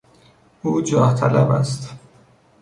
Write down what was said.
او جاه طلب است.